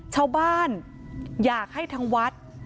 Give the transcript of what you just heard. เจ้าบ้านอยากให้ทั้งวัด